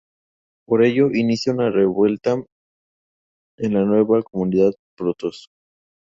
Por ello inicia una revuelta en la nueva comunidad Protoss.